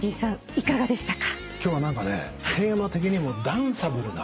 いかがでしたか？